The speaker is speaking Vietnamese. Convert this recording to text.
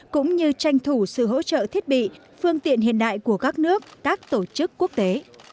cũng như tranh thủ sự hỗ trợ thiết bị phương tiện hiện đại của các nước các tổ chức quốc tế